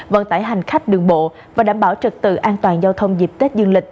vận tải hành khách đường bộ và đảm bảo trực tự an toàn giao thông dịp tết dương lịch